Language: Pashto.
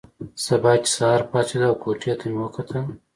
سبا چې سهار پاڅېدو او کوټې ته مې وکتل.